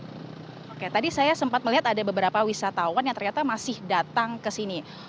oke tadi saya sempat melihat ada beberapa wisatawan yang ternyata masih datang ke sini